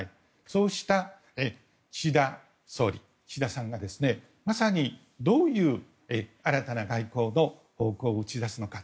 そうした岸田さんがまさに、どういう新たな外交を打ち出すのか。